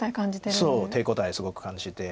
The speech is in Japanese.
そう手応えすごく感じて。